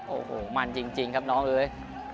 โอ้โหมันจริงครับน้องเอ้ย